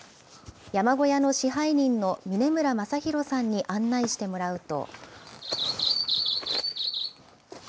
山小屋の支配人の嶺村昌弘さんに案内してもらうと。